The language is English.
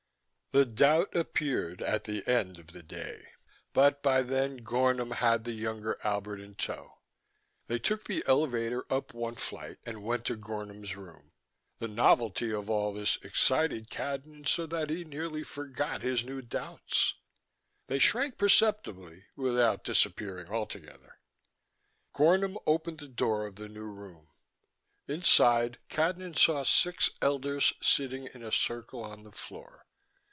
The doubt appeared at the end of the day, but by then Gornom had the younger Albert in tow. They took the elevator up one flight and went to Gornom's room: the novelty of all of this excited Cadnan so that he nearly forgot his new doubts. They shrank perceptibly without disappearing altogether. Gornom opened the door of the new room. Inside, Cadnan saw six elders, sitting in a circle on the floor.